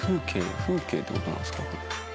風景って事なんですか？